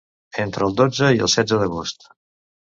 Entre el dotze i el setze d'agost.